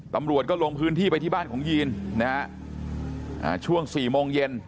ตำรวจก็ลงพื้นที่ไปที่บ้านของยีนนะฮะช่วงสี่โมงเย็น